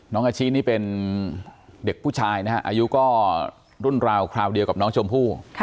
อาชินี่เป็นเด็กผู้ชายนะฮะอายุก็รุ่นราวคราวเดียวกับน้องชมพู่